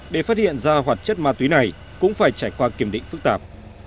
để phát hiện ra hoạt chất ma túy này cũng phải trải qua kiểm định phức tạp